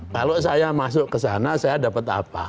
kalau saya masuk ke sana saya dapat apa